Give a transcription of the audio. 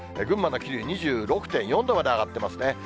群馬の桐生２６．４度まで上がってますね。